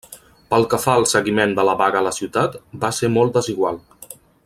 Pel que fa al seguiment de la vaga a la ciutat, va ser molt desigual.